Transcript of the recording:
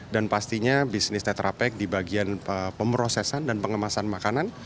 dan pastinya bisnis tetrapek di bagian pemrosesan dan pengemasan makanan